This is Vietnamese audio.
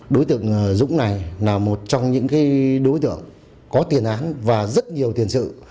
đối tượng dũng này là một trong những đối tượng có tiền án và rất nhiều tiền sự